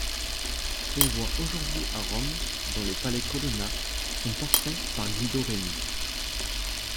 On voit aujourd'hui à Rome, dans le palais Colonna, son portrait par Guido Reni.